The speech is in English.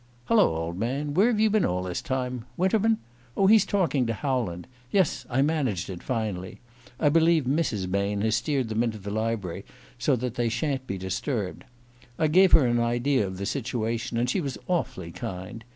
"Hullo, old man! Where have you been all this time? Winterman? Oh, he's talking to Howland: yes, I managed it finally. I believe Mrs. Bain has steered them into the library, so that they shan't be disturbed. I gave her an idea of the situation, and she was awfully kind.